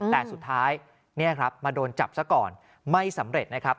แต่สุดท้ายมาโดนจับซะก่อนไม่สำเร็จนะครับ